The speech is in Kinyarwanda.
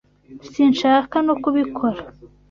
Sinshaka no kubikora.